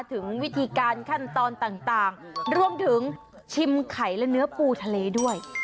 ถึงวิธีการขั้นตอนต่างรวมถึงชิมไข่และเนื้อปูทะเลด้วย